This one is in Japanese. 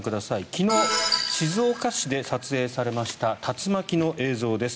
昨日、静岡市で撮影された竜巻の映像です。